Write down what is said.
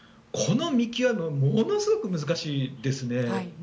この見極めがものすごく難しいですね。